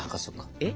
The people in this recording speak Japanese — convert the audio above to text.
えっ？